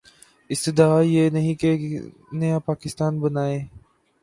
استدعا یہ نہیں کہ نیا پاکستان بنائیں۔